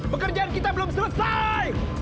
pekerjaan kita belum selesai